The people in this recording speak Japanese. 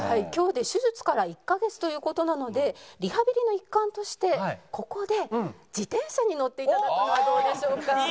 今日で手術から１カ月という事なのでリハビリの一環としてここで自転車に乗って頂くのはどうでしょうか？